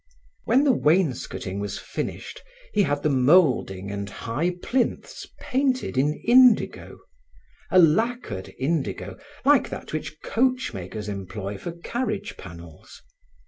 When the wainscoting was finished, he had the moulding and high plinths painted in indigo, a lacquered indigo like that which coachmakers employ for carriage panels.